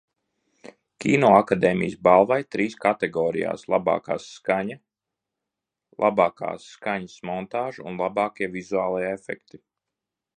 "Kinoakadēmijas balvai trīs kategorijās: "Labākā skaņa", "Labākā skaņas montāža" un "Labākie vizuālie efekti"."